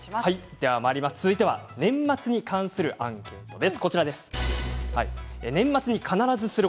では続いては年末に関するアンケートです。